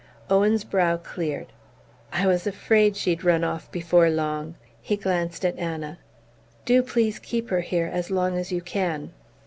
Owen's brow cleared. "I was afraid she'd run off before long." He glanced at Anna. "Do please keep her here as long as you can!"